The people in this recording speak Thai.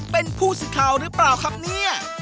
เป็นผู้สื่อข่าวหรือเปล่าครับเนี่ย